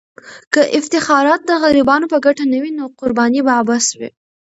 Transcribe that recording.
که افتخارات د غریبانو په ګټه نه وي، نو قرباني به عبث وي.